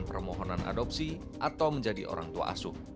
permohonan adopsi atau menjadi orang tua asuh